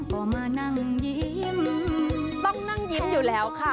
ก็มานั่งยิ้มต้องนั่งยิ้มอยู่แล้วค่ะ